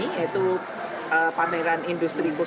yaitu pameran industri kosmetik